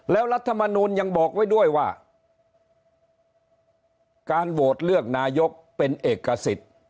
แล้วรัฐมนูลยังบอกไว้ด้วยว่าการโหวตเลือกนายกเป็นเอกสิทธิ์